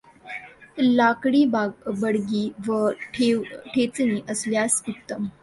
लाकडी बडगी व ठेचणी असल्यास उत्तम.